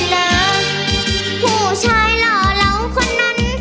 อำเภอผู้ชายหล่อเหลาคนนั้น